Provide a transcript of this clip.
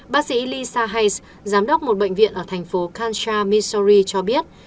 bác sĩ lisa hayes giám đốc một bệnh viện ở thành phố kansha missouri cho biết